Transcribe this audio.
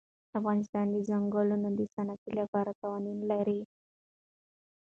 افغانستان د ځنګلونه د ساتنې لپاره قوانین لري.